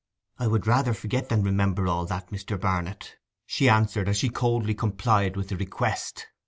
'I would rather forget than remember all that, Mr. Barnet,' she answered, as she coldly complied with the request.